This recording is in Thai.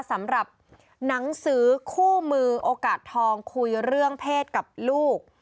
สำหรับหนังสือคู่มือโอกาสทองคุยเรื่องเพศกับลูก